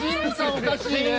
おかしいね。